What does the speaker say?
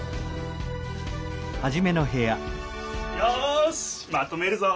よしまとめるぞ！